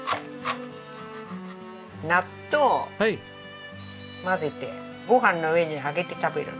納豆を混ぜてご飯の上にあげて食べる。